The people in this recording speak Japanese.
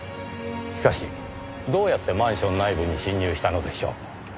しかしどうやってマンション内部に侵入したのでしょう？